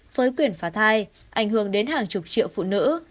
với quyền phá thai ảnh hưởng đến hàng chục triệu phụ nữ